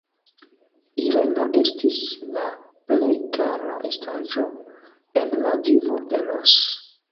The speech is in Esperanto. Irena estis la plej kara estaĵo en la vivo de Ros.